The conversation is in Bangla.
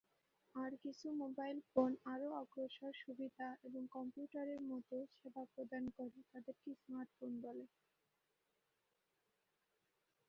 আর কিছু মোবাইল ফোন আরও অগ্রসর সুবিধা এবং কম্পিউটারের মত সেবা প্রদান করে, তাদেরকে স্মার্ট ফোন বলে।